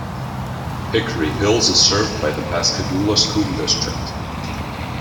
Hickory Hills is served by the Pascagoula School District.